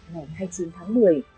ngày hai mươi chín tháng một mươi